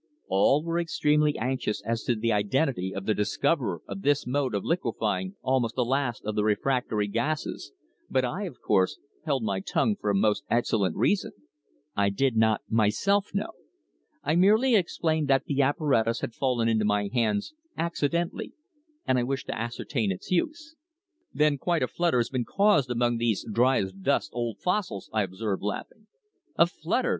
All were extremely anxious as to the identity of the discoverer of this mode of liquefying almost the last of the refractory gases, but I, of course, held my tongue for a most excellent reason I did not myself know. I merely explained that the apparatus had fallen into my hands accidentally and I wished to ascertain its use." "Then quite a flutter has been caused among these dry as dust old fossils," I observed, laughing. "A flutter!"